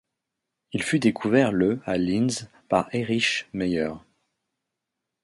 Il fut découvert le à Linz par Erich Meyer.